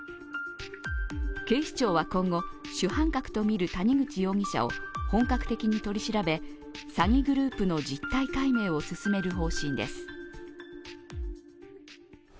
警視庁は今後、主犯格とみる谷口容疑者を本格的に取り調べ詐欺グループの実態解明を進める方針です。